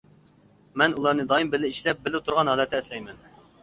مەن ئۇلارنى دائىم بىللە ئىشلەپ، بىللە تۇرغان ھالەتتە ئەسلەيمەن.